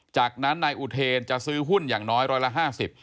จากนั้นนายอุเทนจะซื้อหุ้นอย่างน้อยร้อยละห้าสิบ